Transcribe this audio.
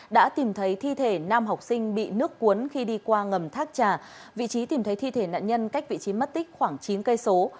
đã tìm thấy thi thể nam học sinh bị nước cuốn khi đi qua ngầm thác trà vị trí tìm thấy thi thể nạn nhân cách vị trí mất tích khoảng chín cây số